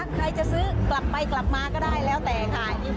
ใครจะซื้อกลับไปกลับมาก็ได้